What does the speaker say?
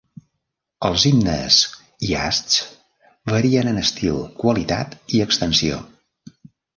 Els himnes Yashts varien en estil, qualitat i extensió.